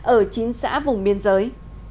ở chín xã vùng biên giới